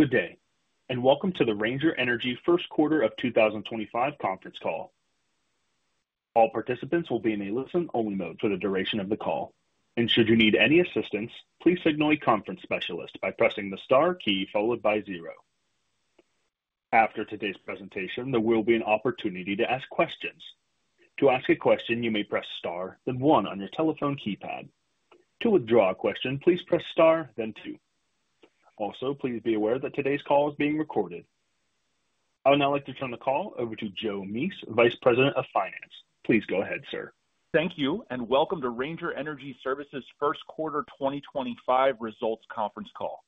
Good day, and welcome to the Ranger Energy Services First Quarter of 2025 conference call. All participants will be in a listen-only mode for the duration of the call, and should you need any assistance, please signal a conference specialist by pressing the star key followed by zero. After today's presentation, there will be an opportunity to ask questions. To ask a question, you may press star, then one on your telephone keypad. To withdraw a question, please press star, then two. Also, please be aware that today's call is being recorded. I would now like to turn the call over to Joe Mease, Vice President of Finance. Please go ahead, sir. Thank you, and welcome to Ranger Energy Services First Quarter 2025 results conference call.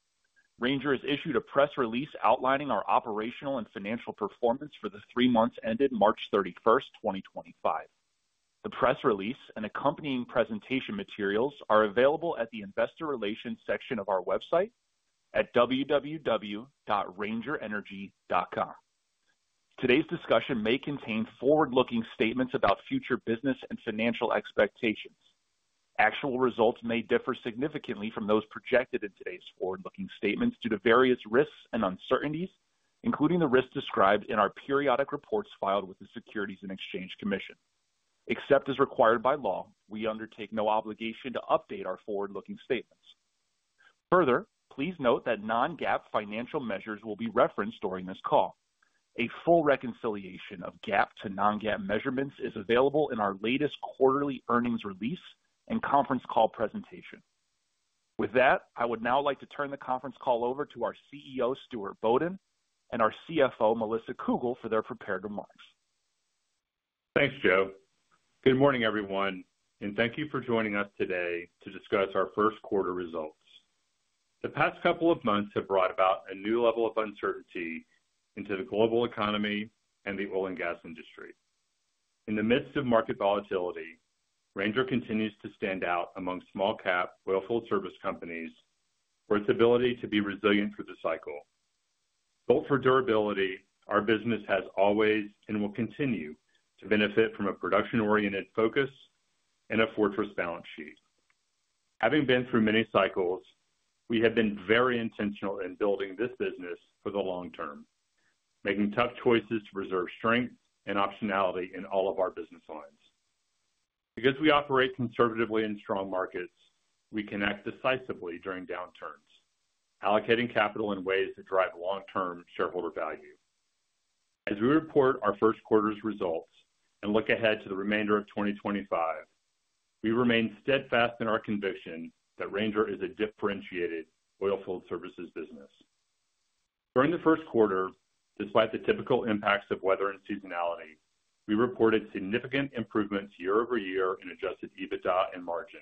Ranger has issued a press release outlining our operational and financial performance for the three months ended March 31, 2025. The press release and accompanying presentation materials are available at the Investor Relations section of our website at www.rangerenergy.com. Today's discussion may contain forward-looking statements about future business and financial expectations. Actual results may differ significantly from those projected in today's forward-looking statements due to various risks and uncertainties, including the risks described in our periodic reports filed with the Securities and Exchange Commission. Except as required by law, we undertake no obligation to update our forward-looking statements. Further, please note that non-GAAP financial measures will be referenced during this call. A full reconciliation of GAAP to non-GAAP measurements is available in our latest quarterly earnings release and conference call presentation. With that, I would now like to turn the conference call over to our CEO, Stuart Bodden, and our CFO, Melissa Cougle, for their prepared remarks. Thanks, Joe. Good morning, everyone, and thank you for joining us today to discuss our first quarter results. The past couple of months have brought about a new level of uncertainty into the global economy and the oil and gas industry. In the midst of market volatility, Ranger continues to stand out among small-cap oilfield service companies for its ability to be resilient through the cycle. Built for durability, our business has always and will continue to benefit from a production-oriented focus and a fortress balance sheet. Having been through many cycles, we have been very intentional in building this business for the long term, making tough choices to preserve strength and optionality in all of our business lines. Because we operate conservatively in strong markets, we connect decisively during downturns, allocating capital in ways that drive long-term shareholder value. As we report our first quarter's results and look ahead to the remainder of 2025, we remain steadfast in our conviction that Ranger is a differentiated oilfield services business. During the first quarter, despite the typical impacts of weather and seasonality, we reported significant improvements year-over-year in adjusted EBITDA and margin,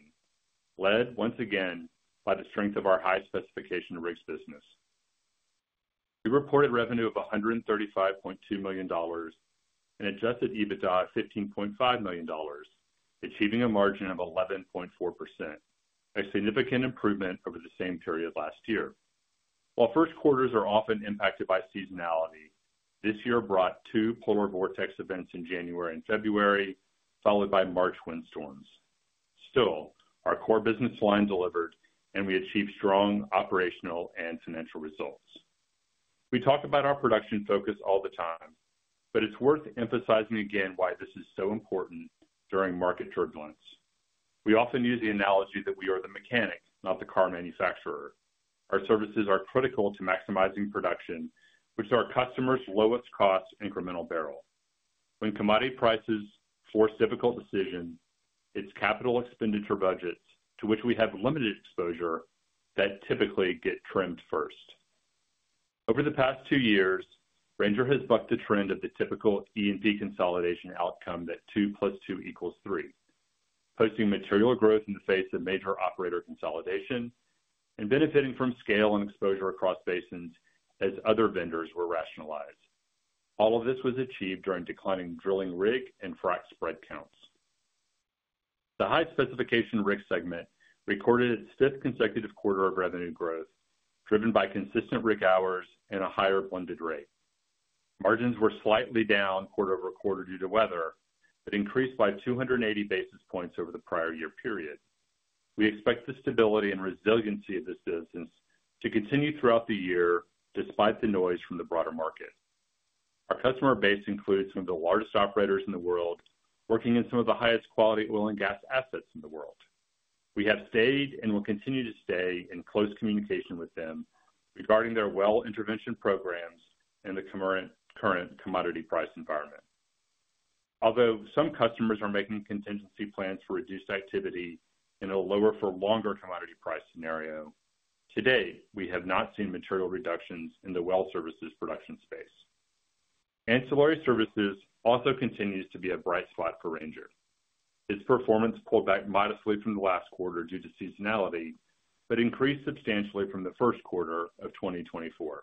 led once again by the strength of our high-specification rigs business. We reported revenue of $135.2 million and adjusted EBITDA of $15.5 million, achieving a margin of 11.4%, a significant improvement over the same period last year. While first quarters are often impacted by seasonality, this year brought two polar vortex events in January and February, followed by March windstorms. Still, our core business line delivered, and we achieved strong operational and financial results. We talk about our production focus all the time, but it's worth emphasizing again why this is so important during market turbulence. We often use the analogy that we are the mechanic, not the car manufacturer. Our services are critical to maximizing production, which is our customers' lowest-cost incremental barrel. When commodity prices force difficult decisions, it's capital expenditure budgets, to which we have limited exposure, that typically get trimmed first. Over the past two years, Ranger has bucked the trend of the typical E&P consolidation outcome that two plus two equals three, posting material growth in the face of major operator consolidation and benefiting from scale and exposure across basins as other vendors were rationalized. All of this was achieved during declining drilling rig and frac spread counts. The high-specification rig segment recorded a sixth consecutive quarter of revenue growth, driven by consistent rig hours and a higher blended rate. Margins were slightly down quarter over quarter due to weather, but increased by 280 basis points over the prior year period. We expect the stability and resiliency of this business to continue throughout the year despite the noise from the broader market. Our customer base includes some of the largest operators in the world, working in some of the highest quality oil and gas assets in the world. We have stayed and will continue to stay in close communication with them regarding their well intervention programs and the current commodity price environment. Although some customers are making contingency plans for reduced activity in a lower-for-longer commodity price scenario, today we have not seen material reductions in the well services production space. Ancillary services also continues to be a bright spot for Ranger. Its performance pulled back modestly from the last quarter due to seasonality, but increased substantially from the first quarter of 2024.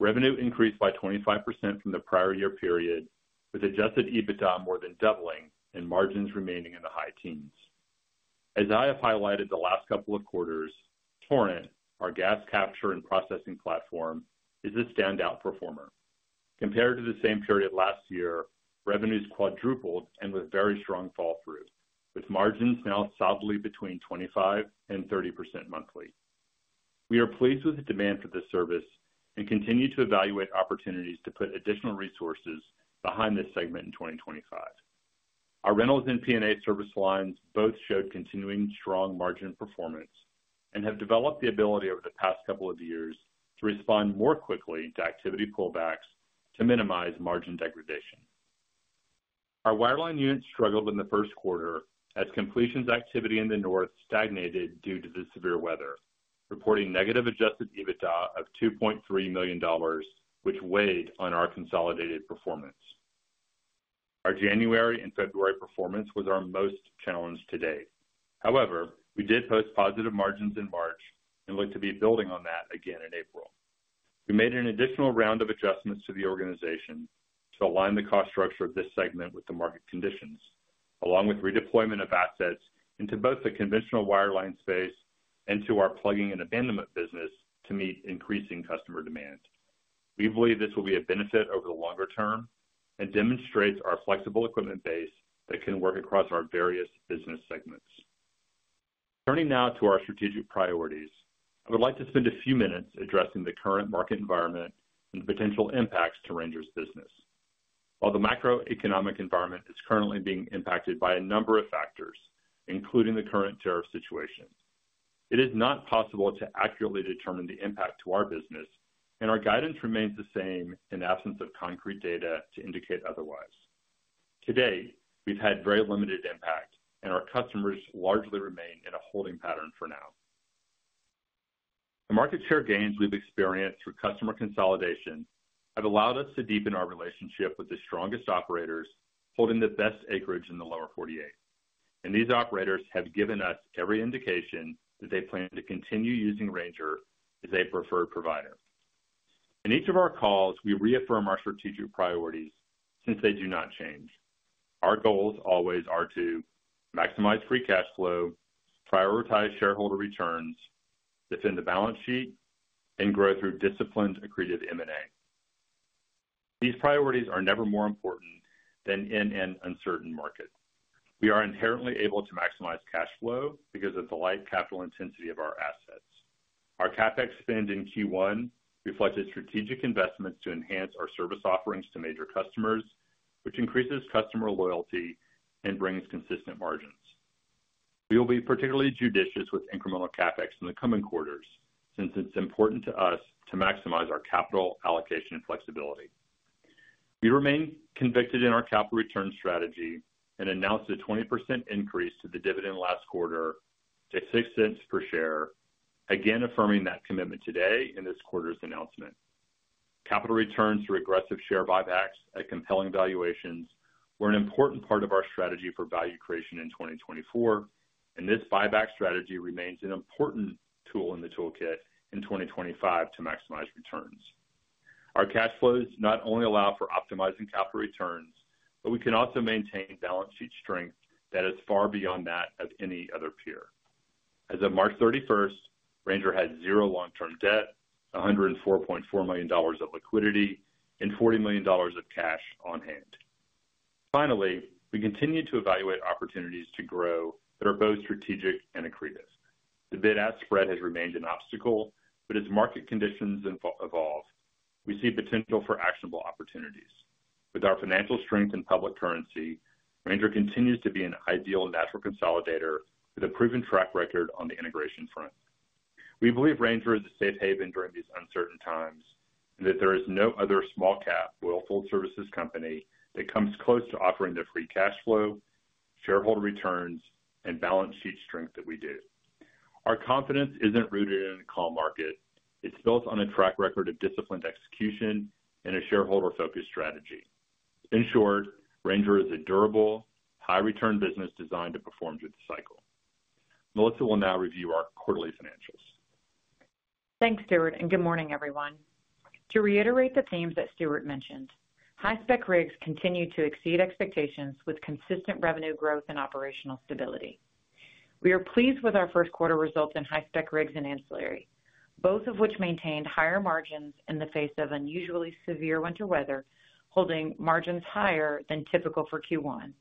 Revenue increased by 25% from the prior year period, with adjusted EBITDA more than doubling and margins remaining in the high teens. As I have highlighted the last couple of quarters, Torrent, our gas capture and processing platform, is a standout performer. Compared to the same period last year, revenues quadrupled and with very strong fall-through, with margins now solidly between 25-30% monthly. We are pleased with the demand for this service and continue to evaluate opportunities to put additional resources behind this segment in 2025. Our Reynolds and P&A service lines both showed continuing strong margin performance and have developed the ability over the past couple of years to respond more quickly to activity pullbacks to minimize margin degradation. Our wireline unit struggled in the first quarter as completions activity in the north stagnated due to the severe weather, reporting negative adjusted EBITDA of $2.3 million, which weighed on our consolidated performance. Our January and February performance was our most challenged to date. However, we did post positive margins in March and look to be building on that again in April. We made an additional round of adjustments to the organization to align the cost structure of this segment with the market conditions, along with redeployment of assets into both the conventional wireline space and to our plugging and abandonment business to meet increasing customer demand. We believe this will be a benefit over the longer term and demonstrates our flexible equipment base that can work across our various business segments. Turning now to our strategic priorities, I would like to spend a few minutes addressing the current market environment and potential impacts to Ranger's business. While the macroeconomic environment is currently being impacted by a number of factors, including the current tariff situation, it is not possible to accurately determine the impact to our business, and our guidance remains the same in absence of concrete data to indicate otherwise. Today, we've had very limited impact, and our customers largely remain in a holding pattern for now. The market share gains we've experienced through customer consolidation have allowed us to deepen our relationship with the strongest operators holding the best acreage in the Lower 48, and these operators have given us every indication that they plan to continue using Ranger as a preferred provider. In each of our calls, we reaffirm our strategic priorities since they do not change. Our goals always are to maximize free cash flow, prioritize shareholder returns, defend the balance sheet, and grow through disciplined accretive M&A. These priorities are never more important than in an uncertain market. We are inherently able to maximize cash flow because of the light capital intensity of our assets. Our CapEx spend in Q1 reflects a strategic investment to enhance our service offerings to major customers, which increases customer loyalty and brings consistent margins. We will be particularly judicious with incremental CapEx in the coming quarters since it's important to us to maximize our capital allocation flexibility. We remain convicted in our capital return strategy and announced a 20% increase to the dividend last quarter to $0.06 per share, again affirming that commitment today in this quarter's announcement. Capital returns through aggressive share buybacks at compelling valuations were an important part of our strategy for value creation in 2024, and this buyback strategy remains an important tool in the toolkit in 2025 to maximize returns. Our cash flows not only allow for optimizing capital returns, but we can also maintain balance sheet strength that is far beyond that of any other peer. As of March 31, Ranger has zero long-term debt, $104.4 million of liquidity, and $40 million of cash on hand. Finally, we continue to evaluate opportunities to grow that are both strategic and accretive. The bid-ask spread has remained an obstacle, but as market conditions evolve, we see potential for actionable opportunities. With our financial strength in public currency, Ranger continues to be an ideal natural consolidator with a proven track record on the integration front. We believe Ranger is a safe haven during these uncertain times and that there is no other small-cap oilfield services company that comes close to offering the free cash flow, shareholder returns, and balance sheet strength that we do. Our confidence isn't rooted in a call market. It's built on a track record of disciplined execution and a shareholder-focused strategy. In short, Ranger is a durable, high-return business designed to perform through the cycle. Melissa will now review our quarterly financials. Thanks, Stuart, and good morning, everyone. To reiterate the themes that Stuart mentioned, high-spec rigs continue to exceed expectations with consistent revenue growth and operational stability. We are pleased with our first quarter results in high-spec rigs and ancillary, both of which maintained higher margins in the face of unusually severe winter weather, holding margins higher than typical for Q1,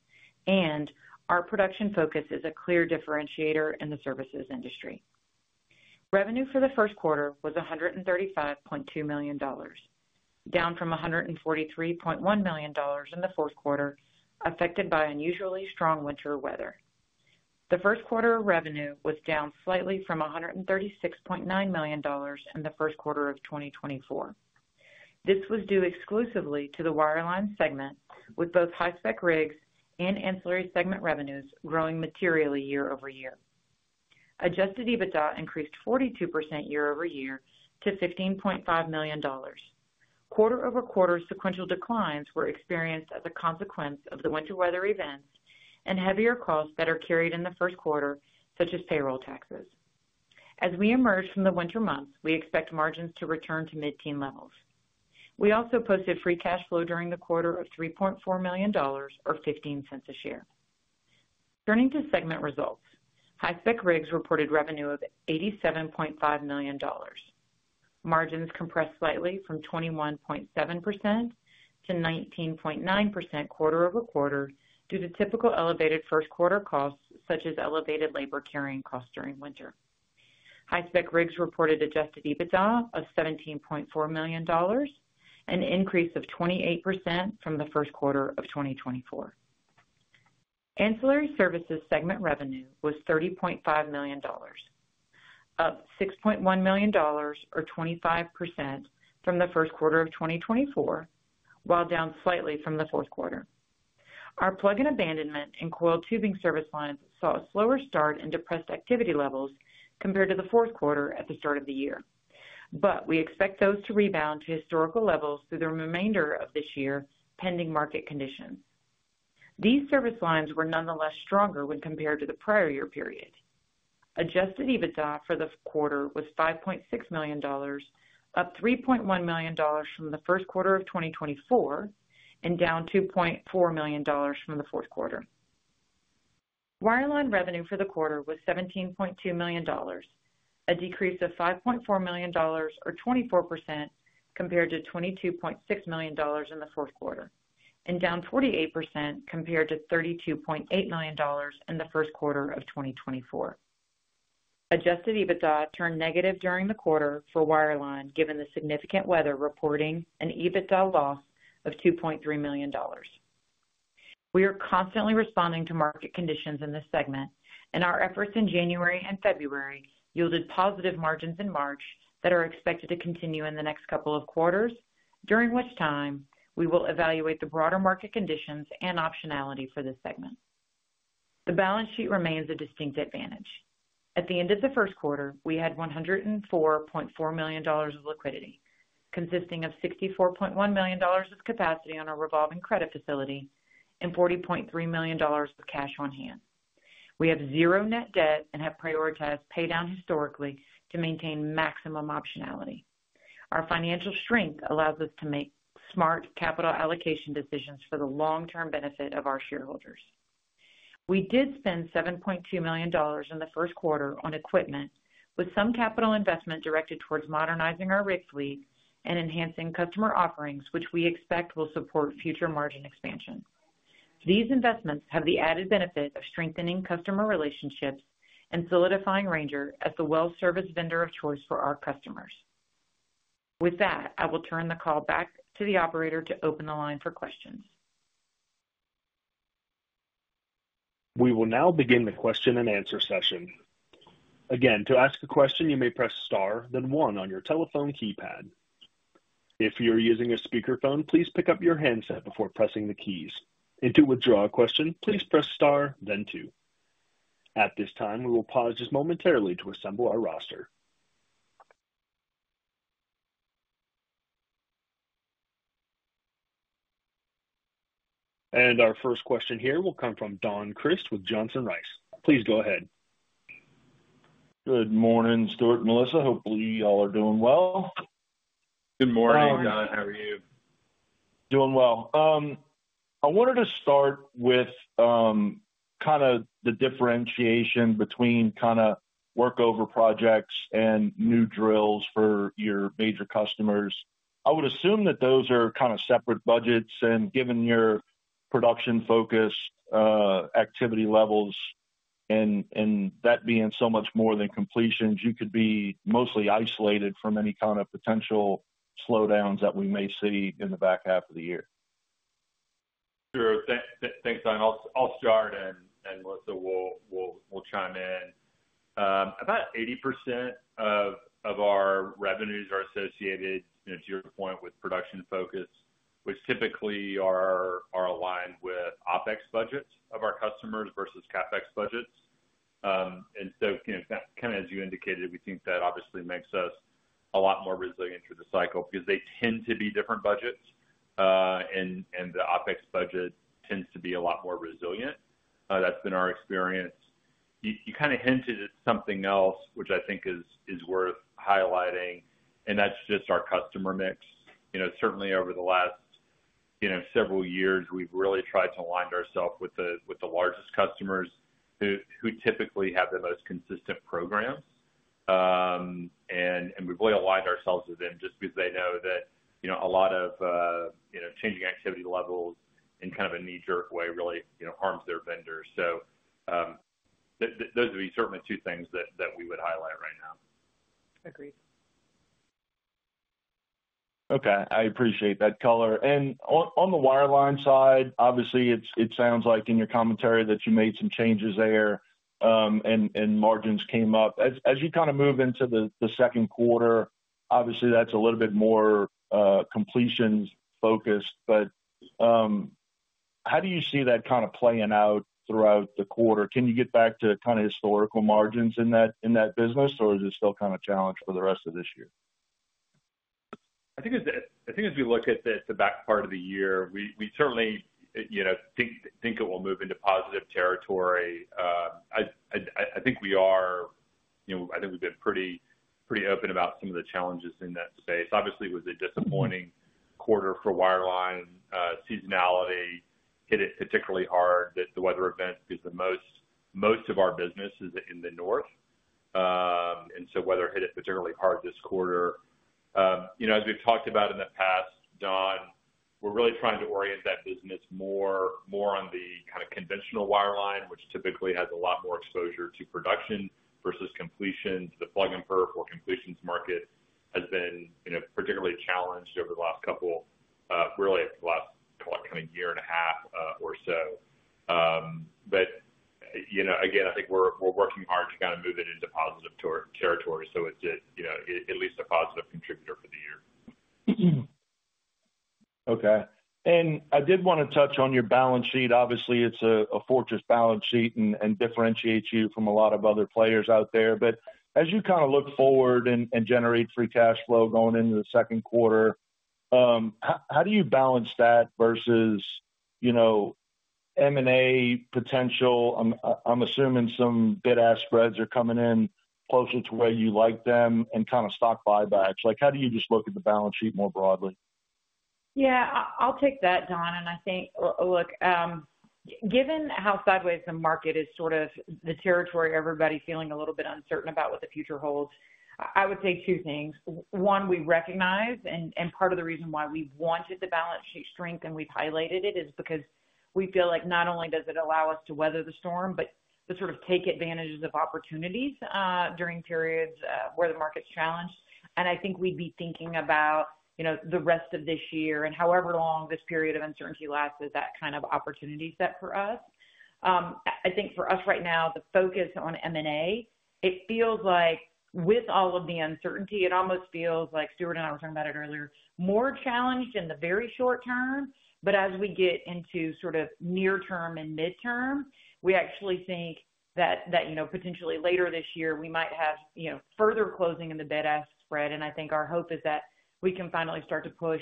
and our production focus is a clear differentiator in the services industry. Revenue for the first quarter was $135.2 million, down from $143.1 million in the fourth quarter, affected by unusually strong winter weather. The first quarter revenue was down slightly from $136.9 million in the first quarter of 2024. This was due exclusively to the wireline segment, with both high-spec rigs and ancillary segment revenues growing materially year-over-year. Adjusted EBITDA increased 42% year over year to $15.5 million. Quarter-over-quarter sequential declines were experienced as a consequence of the winter weather events and heavier costs that are carried in the first quarter, such as payroll taxes. As we emerge from the winter months, we expect margins to return to mid-teen levels. We also posted free cash flow during the quarter of $3.4 million, or $0.15 a share. Turning to segment results, high-spec rigs reported revenue of $87.5 million. Margins compressed slightly from 21.7% to 19.9% quarter-over-quarter due to typical elevated first quarter costs, such as elevated labor carrying costs during winter. High-spec rigs reported adjusted EBITDA of $17.4 million, an increase of 28% from the first quarter of 2024. Ancillary services segment revenue was $30.5 million, up $6.1 million, or 25% from the first quarter of 2024, while down slightly from the fourth quarter. Our plug and abandonment and coil tubing service lines saw a slower start and depressed activity levels compared to the fourth quarter at the start of the year, but we expect those to rebound to historical levels through the remainder of this year pending market conditions. These service lines were nonetheless stronger when compared to the prior year period. Adjusted EBITDA for the quarter was $5.6 million, up $3.1 million from the first quarter of 2024 and down $2.4 million from the fourth quarter. Wireline revenue for the quarter was $17.2 million, a decrease of $5.4 million, or 24% compared to $22.6 million in the fourth quarter, and down 48% compared to $32.8 million in the first quarter of 2024. Adjusted EBITDA turned negative during the quarter for wireline, given the significant weather reporting an EBITDA loss of $2.3 million. We are constantly responding to market conditions in this segment, and our efforts in January and February yielded positive margins in March that are expected to continue in the next couple of quarters, during which time we will evaluate the broader market conditions and optionality for this segment. The balance sheet remains a distinct advantage. At the end of the first quarter, we had $104.4 million of liquidity, consisting of $64.1 million of capacity on our revolving credit facility and $40.3 million of cash on hand. We have zero net debt and have prioritized paydown historically to maintain maximum optionality. Our financial strength allows us to make smart capital allocation decisions for the long-term benefit of our shareholders. We did spend $7.2 million in the first quarter on equipment, with some capital investment directed towards modernizing our rig fleet and enhancing customer offerings, which we expect will support future margin expansion. These investments have the added benefit of strengthening customer relationships and solidifying Ranger as the well-serviced vendor of choice for our customers. With that, I will turn the call back to the operator to open the line for questions. We will now begin the question and answer session. Again, to ask a question, you may press star, then 1 on your telephone keypad. If you're using a speakerphone, please pick up your handset before pressing the keys. To withdraw a question, please press star, then two. At this time, we will pause just momentarily to assemble our roster. Our first question here will come from Don Crist with Johnson Rice. Please go ahead. Good morning, Stuart and Melissa. Hopefully, y'all are doing well. Good morning, Don. How are you? Doing well. I wanted to start with kind of the differentiation between kind of workover projects and new drills for your major customers. I would assume that those are kind of separate budgets, and given your production-focused activity levels and that being so much more than completions, you could be mostly isolated from any kind of potential slowdowns that we may see in the back half of the year. Sure. Thanks, Don. I'll start, and Melissa will chime in. About 80% of our revenues are associated, to your point, with production focus, which typically are aligned with OpEx budgets of our customers versus CapEx budgets. As you indicated, we think that obviously makes us a lot more resilient through the cycle because they tend to be different budgets, and the OpEx budget tends to be a lot more resilient. That's been our experience. You kind of hinted at something else, which I think is worth highlighting, and that's just our customer mix. Certainly, over the last several years, we've really tried to align ourselves with the largest customers who typically have the most consistent programs, and we've really aligned ourselves with them just because they know that a lot of changing activity levels in kind of a knee-jerk way really harms their vendors. Those would be certainly two things that we would highlight right now. Agreed. Okay. I appreciate that, Caller. On the wireline side, obviously, it sounds like in your commentary that you made some changes there and margins came up. As you kind of move into the second quarter, obviously, that's a little bit more completion-focused, but how do you see that kind of playing out throughout the quarter? Can you get back to kind of historical margins in that business, or is it still kind of a challenge for the rest of this year? I think as we look at the back part of the year, we certainly think it will move into positive territory. I think we are—I think we've been pretty open about some of the challenges in that space. Obviously, it was a disappointing quarter for wireline. Seasonality hit it particularly hard, the weather event, because most of our business is in the north, and so weather hit it particularly hard this quarter. As we've talked about in the past, Don, we're really trying to orient that business more on the kind of conventional wireline, which typically has a lot more exposure to production versus completions. The plug and perf or completions market has been particularly challenged over the last couple—really the last kind of year and a half or so. I think we're working hard to kind of move it into positive territory so it's at least a positive contributor for the year. Okay. I did want to touch on your balance sheet. Obviously, it's a fortress balance sheet and differentiates you from a lot of other players out there. As you kind of look forward and generate free cash flow going into the second quarter, how do you balance that versus M&A potential? I'm assuming some bid-ask spreads are coming in closer to where you like them and kind of stock buybacks. How do you just look at the balance sheet more broadly? Yeah. I'll take that, Don. I think, look, given how sideways the market is, sort of the territory, everybody feeling a little bit uncertain about what the future holds, I would say two things. One, we recognize—and part of the reason why we've wanted the balance sheet strength and we've highlighted it—is because we feel like not only does it allow us to weather the storm, but to sort of take advantages of opportunities during periods where the market's challenged. I think we'd be thinking about the rest of this year and however long this period of uncertainty lasts as that kind of opportunity set for us. I think for us right now, the focus on M&A, it feels like with all of the uncertainty, it almost feels like—Stuart and I were talking about it earlier—more challenged in the very short term. As we get into sort of near-term and mid-term, we actually think that potentially later this year, we might have further closing in the bid-ask spread. I think our hope is that we can finally start to push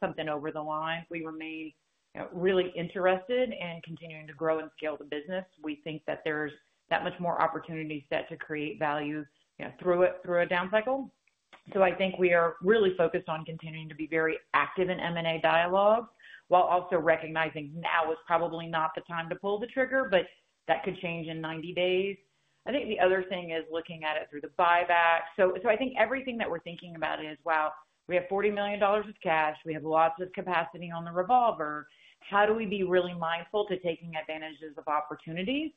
something over the line. We remain really interested in continuing to grow and scale the business. We think that there's that much more opportunity set to create value through a down cycle. I think we are really focused on continuing to be very active in M&A dialogue while also recognizing now is probably not the time to pull the trigger, but that could change in 90 days. I think the other thing is looking at it through the buyback. I think everything that we're thinking about is, wow, we have $40 million of cash. We have lots of capacity on the revolver. How do we be really mindful to taking advantages of opportunities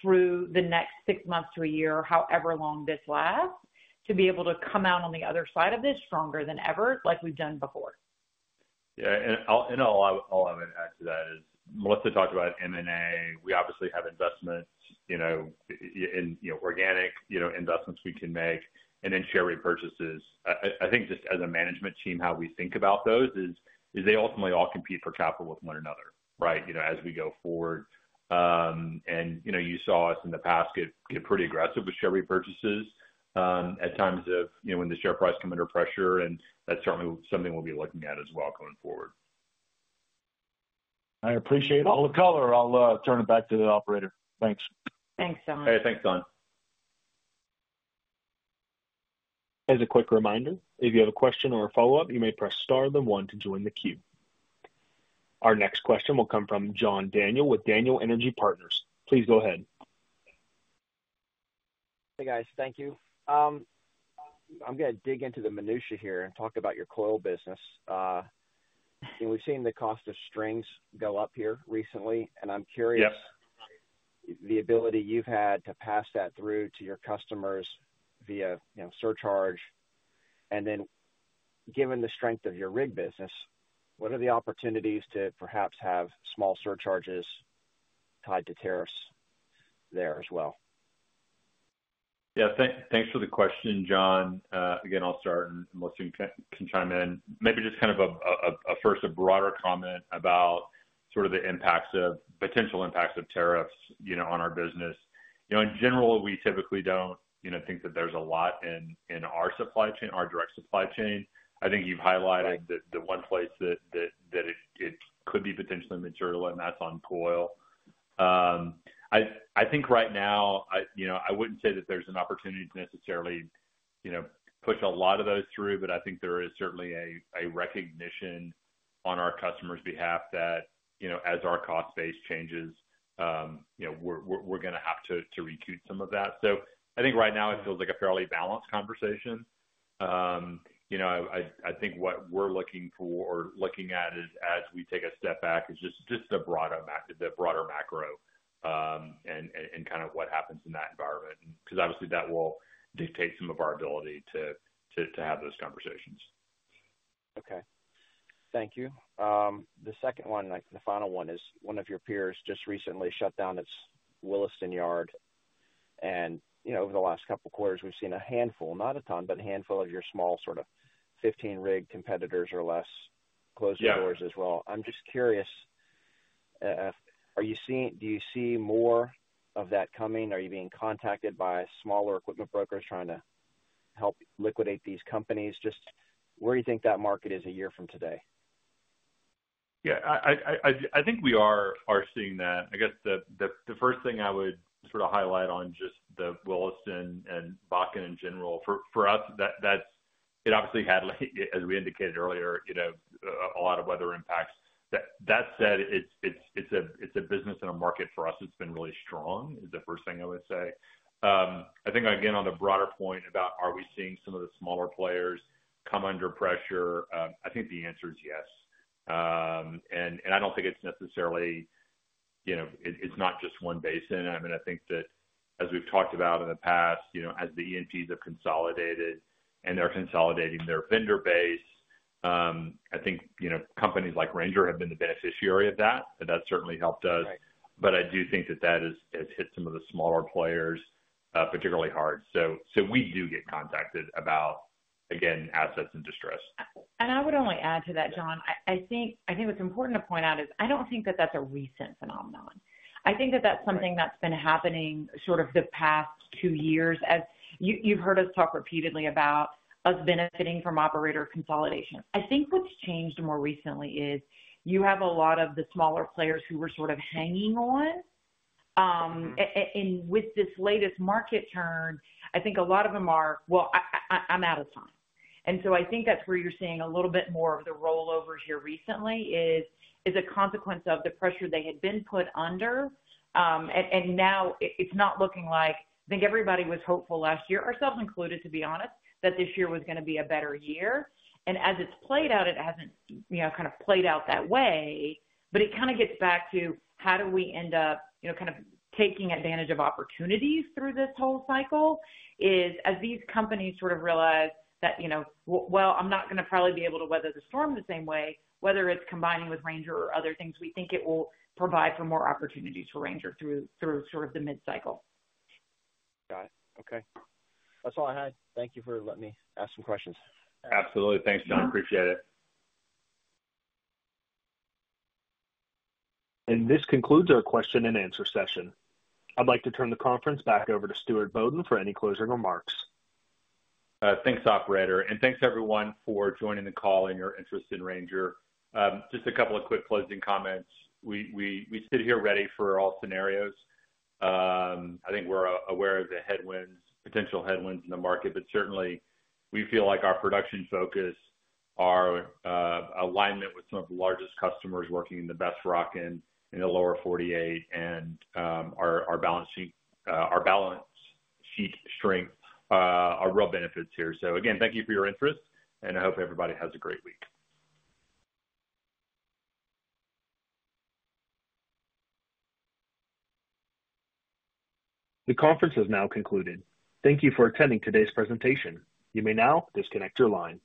through the next six months to a year, however long this lasts, to be able to come out on the other side of this stronger than ever like we've done before? Yeah. All I would add to that is Melissa talked about M&A. We obviously have investments in organic investments we can make and then share repurchases. I think just as a management team, how we think about those is they ultimately all compete for capital with one another, right, as we go forward. You saw us in the past get pretty aggressive with share repurchases at times of when the share price comes under pressure, and that's certainly something we'll be looking at as well going forward. I appreciate all the color. I'll turn it back to the operator. Thanks. Thanks, Don. Hey, thanks, Don. As a quick reminder, if you have a question or a follow-up, you may press star then one to join the queue. Our next question will come from John Daniel with Daniel Energy Partners. Please go ahead. Hey, guys. Thank you. I'm going to dig into the minutiae here and talk about your coil business. We've seen the cost of strings go up here recently, and I'm curious the ability you've had to pass that through to your customers via surcharge. Given the strength of your rig business, what are the opportunities to perhaps have small surcharges tied to tariffs there as well? Yeah. Thanks for the question, John. Again, I'll start, and Melissa can chime in. Maybe just kind of first a broader comment about sort of the impacts of potential impacts of tariffs on our business. In general, we typically don't think that there's a lot in our direct supply chain. I think you've highlighted the one place that it could be potentially material, and that's on coil. I think right now, I wouldn't say that there's an opportunity to necessarily push a lot of those through, but I think there is certainly a recognition on our customers' behalf that as our cost base changes, we're going to have to recoup some of that. I think right now, it feels like a fairly balanced conversation. I think what we're looking for or looking at as we take a step back is just the broader macro and kind of what happens in that environment because obviously, that will dictate some of our ability to have those conversations. Okay. Thank you. The second one, the final one is one of your peers just recently shut down its Williston yard. Over the last couple of quarters, we've seen a handful, not a ton, but a handful of your small sort of 15-rig competitors or less close their doors as well. I'm just curious, do you see more of that coming? Are you being contacted by smaller equipment brokers trying to help liquidate these companies? Just where do you think that market is a year from today? Yeah. I think we are seeing that. I guess the first thing I would sort of highlight on just the Williston and Bakken in general, for us, it obviously had, as we indicated earlier, a lot of weather impacts. That said, it's a business and a market for us that's been really strong, is the first thing I would say. I think, again, on the broader point about are we seeing some of the smaller players come under pressure, I think the answer is yes. I don't think it's necessarily it's not just one basin. I mean, I think that as we've talked about in the past, as the E&Ps have consolidated and they're consolidating their vendor base, I think companies like Ranger have been the beneficiary of that, and that's certainly helped us. I do think that that has hit some of the smaller players particularly hard. We do get contacted about, again, assets in distress. I would only add to that, John. I think what's important to point out is I don't think that that's a recent phenomenon. I think that that's something that's been happening sort of the past two years, as you've heard us talk repeatedly about us benefiting from operator consolidation. I think what's changed more recently is you have a lot of the smaller players who were sort of hanging on. With this latest market turn, I think a lot of them are, "Well, I'm out of time." I think that's where you're seeing a little bit more of the rollovers here recently as a consequence of the pressure they had been put under. Now it's not looking like I think everybody was hopeful last year, ourselves included, to be honest, that this year was going to be a better year. As it's played out, it hasn't kind of played out that way. It kind of gets back to how do we end up kind of taking advantage of opportunities through this whole cycle is as these companies sort of realize that, "Well, I'm not going to probably be able to weather the storm the same way," whether it's combining with Ranger or other things, we think it will provide for more opportunities for Ranger through sort of the mid-cycle. Got it. Okay. That's all I had. Thank you for letting me ask some questions. Absolutely. Thanks, John. Appreciate it. This concludes our question-and-answer session. I'd like to turn the conference back over to Stuart Bodden for any closing remarks. Thanks, operator. Thanks, everyone, for joining the call and your interest in Ranger. Just a couple of quick closing comments. We sit here ready for all scenarios. I think we're aware of the potential headwinds in the market, but certainly, we feel like our production focus, our alignment with some of the largest customers working in the best rock in the Lower 48, and our balance sheet strength are real benefits here. Again, thank you for your interest, and I hope everybody has a great week. The conference has now concluded. Thank you for attending today's presentation. You may now disconnect your lines.